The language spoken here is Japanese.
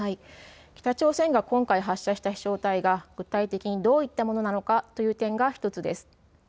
北朝鮮が今回、発射した飛しょう体が具体的にどういったものなのかという点が１つです。